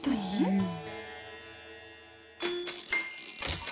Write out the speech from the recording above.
うん。